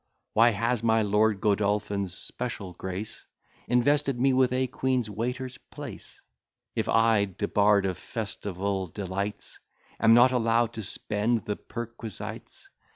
Why has my Lord Godolphin's special grace Invested me with a queen's waiter's place, If I, debarr'd of festival delights, Am not allow'd to spend the perquisites?